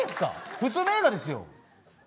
普通の映画ですよ。